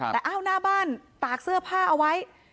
แต่อ้าวหน้าบ้านตากเสื้อผ้าเอาไว้